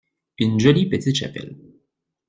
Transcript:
Une jolie petite chapelle.